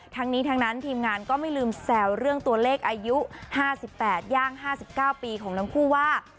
ทั้งนี้ทั้งนั้นทีมงานก็ไม่ลืมแซวเรื่องตัวเลขอายุ๕๘ย่าง๕๙ปีของทั้งคู่ว่า